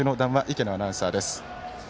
池野アナウンサーです。